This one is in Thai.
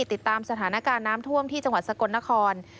ติดตามสถานการณ์น้ำท่วมที่จังหวัดสกลนคร